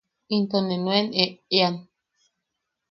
Into ne nuen e’ean.